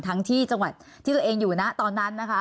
ที่จังหวัดที่ตัวเองอยู่นะตอนนั้นนะคะ